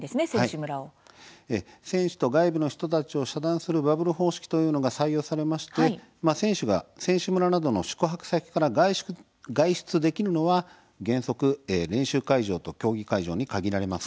選手と外部の人たちとを遮断する「バブル方式」が採用されまして選手が選手村などの宿泊先から外出できるのは原則、練習会場と競技会場に限られます。